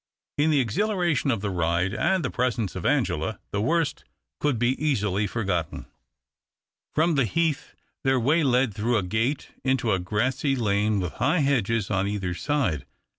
In the exhilaration of the ride and the presence of Angela, the worst could be easily forgotten. From the heath their way lay through a gate into a grassy lane with high hedges on either side.